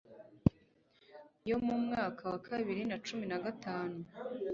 yo mu mwaka wa bibiri nacumi nagatanu